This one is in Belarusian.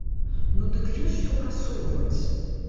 Ну дык ёсць што прасоўваць!